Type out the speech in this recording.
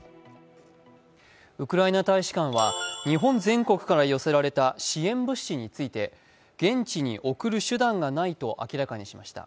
ウクライナ大使館は日本全国から寄せられた支援物資について、現地に送る手段がないと明らかにしました。